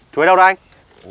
chuối đâu rồi anh